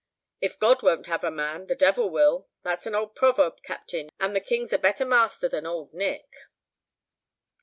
"If God won't have a man, the devil will! That's an old proverb, captain, and the King's a better master than Old Nick."